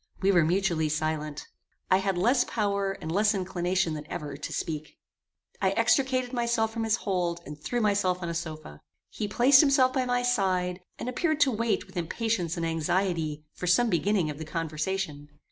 We were mutually silent. I had less power and less inclination than ever to speak. I extricated myself from his hold, and threw myself on a sofa. He placed himself by my side, and appeared to wait with impatience and anxiety for some beginning of the conversation.